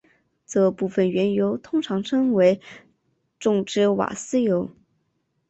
这部分原油通常称为重质瓦斯油。